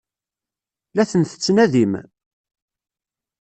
La ten-tettnadim?